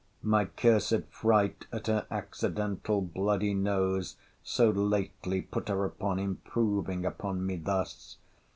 My cursed fright at her accidental bloody nose, so lately, put her upon improving upon me thus.